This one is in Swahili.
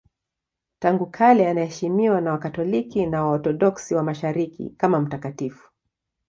Tangu kale anaheshimiwa na Wakatoliki na Waorthodoksi wa Mashariki kama mtakatifu.